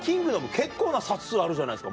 結構な冊数あるじゃないですか